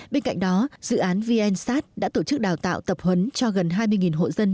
bên cạnh đó dự án vnsat đã tổ chức đào tạo tập huấn cho gần hai mươi hộ dân